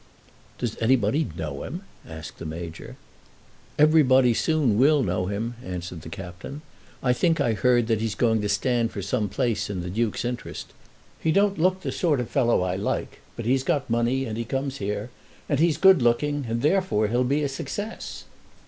"Does anybody know him?" asked the Major. "Everybody soon will know him," answered the Captain. "I think I heard that he's going to stand for some place in the Duke's interest. He don't look the sort of fellow I like; but he's got money and he comes here, and he's good looking, and therefore he'll be a success."